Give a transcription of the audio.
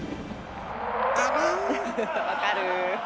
分かる。